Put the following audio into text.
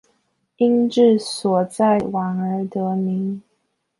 因治所在宛而得名。